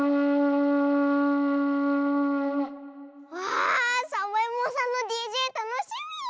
わあサボえもんさんのＤＪたのしみ。